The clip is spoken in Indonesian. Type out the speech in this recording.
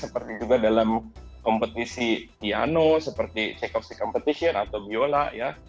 seperti juga dalam kompetisi piano seperti cekovski competition atau viola ya